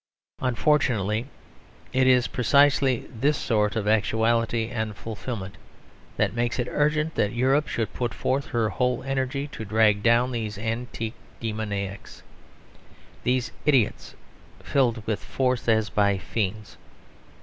Unfortunately, it is precisely this sort of actuality and fulfilment that makes it urgent that Europe should put forth her whole energy to drag down these antique demoniacs; these idiots filled with force as by fiends.